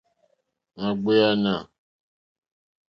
Nà ɡbèànà.